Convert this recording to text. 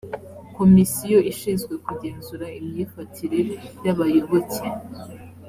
komisiyo ishinzwe kugenzura imyifatire y’abayoboke.